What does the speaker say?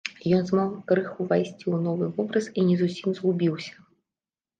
Ён змог крыху ўвайсці ў новы вобраз і не зусім згубіўся.